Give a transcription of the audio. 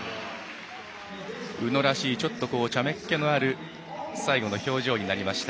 宇野らしいちょっと、ちゃめっ気のある最後の表情になりました。